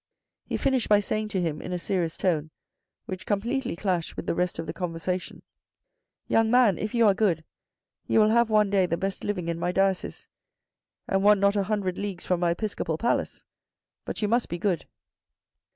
He finished by saying to him in a serious tone, which completely clashed with the rest of the conversation. " Young man, if you are good, you will have one day the best living in my diocese, and one not a hundred leagues from my episcopal palace, but you must be good."